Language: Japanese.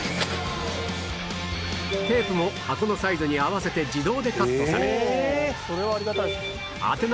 テープも箱のサイズに合わせて自動でカットされ